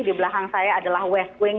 di belakang saya adalah west wing